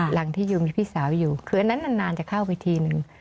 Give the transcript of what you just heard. หลังที่อยู่มีพี่สาวอยู่คืออันนั้นนานจะเข้าไปทีนึง